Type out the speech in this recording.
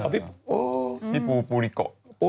พี่ปูปูลิโก